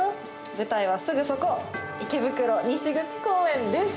舞台はすぐそこ池袋西口公園です。